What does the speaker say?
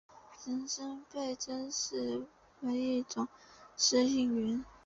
人参被珍视为一种适应原。